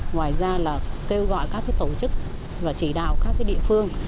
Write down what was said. ngoài ra là kêu gọi các tổ chức và chỉ đạo các địa phương